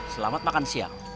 selamat makan siang